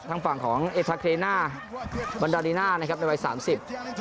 ทางฝั่งของเอทาเครน่าบรรดาลีน่านะครับในวัยสามสิบ